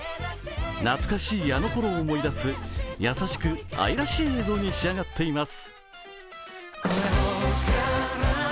懐かしいあの頃を思い出す、優しい愛らしい映像になっています。